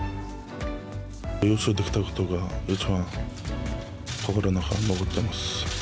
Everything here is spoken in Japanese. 優勝できたことが一番、心の中に残ってます。